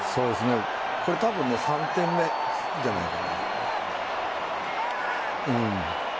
これ多分３点目じゃないかな。